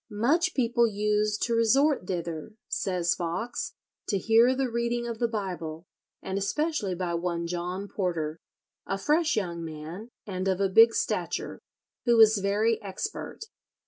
"Much people used to resort thither," says Foxe, to hear the reading of the Bible, and especially by one John Porter, "a fresh young man, and of a big stature," who was very expert.